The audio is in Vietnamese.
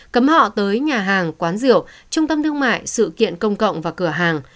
cấm họ tới nhà hàng quán rượu trung tâm thương mại sự kiện công cộng và cửa hàng